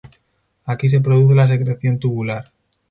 Aquí se produce la secreción tubular.